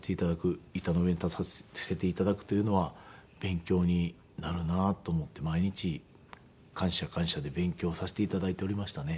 板の上に立たせて頂くというのは勉強になるなと思って毎日感謝感謝で勉強させて頂いておりましたね。